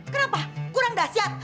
kenapa kurang dahsyat